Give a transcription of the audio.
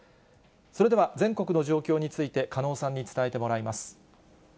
それでは全国の状況について、加納さんに伝えてもらいます。